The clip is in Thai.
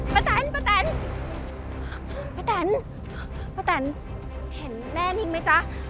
ปะแตนปะแตนปะแตนปะแตนเห็นแม่นิ่งไหมจ๊ะ